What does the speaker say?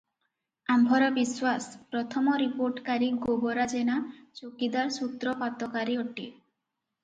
ଆମ୍ଭର ବିଶ୍ୱାସ, ପ୍ରଥମ ରିପୋର୍ଟକାରୀ ଗୋବରା ଜେନା ଚୌକିଦାର ସୂତ୍ରପାତକାରୀ ଅଟେ ।